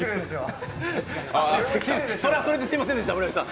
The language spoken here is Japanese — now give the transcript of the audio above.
それはそれですみませんでした。